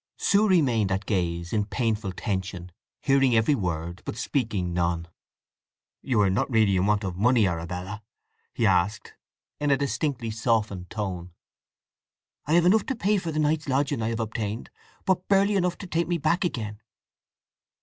Sue remained at gaze, in painful tension, hearing every word, but speaking none. "You are not really in want of money, Arabella?" he asked, in a distinctly softened tone. "I have enough to pay for the night's lodging I have obtained, but barely enough to take me back again."